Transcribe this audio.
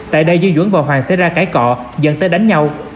tại đây dư duẩn và hoàng xảy ra cái cọ dẫn tới đánh nhau